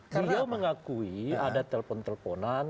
beliau mengakui ada telepon teleponan